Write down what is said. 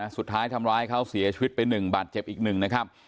สุดท้ายทำร้ายให้เขาเสียชีวิตไป๑บัตรเจ็บอีก๑นะครับ